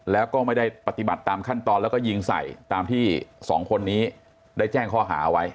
แล้วก็ไม่ได้ปฏิบัติตามขั้นตอนแล้วก็ยิงใส่ตามที่สองคนนี้ได้แจ้งข้อหาไว้